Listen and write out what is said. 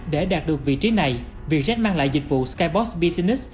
để đạt được vị trí này vietjet mang lại dịch vụ skybos business